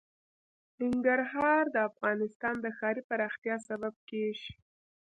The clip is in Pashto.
ننګرهار د افغانستان د ښاري پراختیا سبب کېږي.